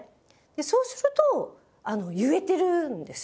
そうすると言えてるんですよ。